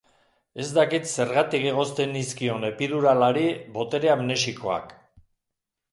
Ez dakit zergatik egozten nizkion epiduralari botere amnesikoak.